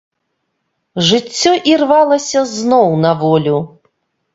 Жыццё ірвалася зноў на волю.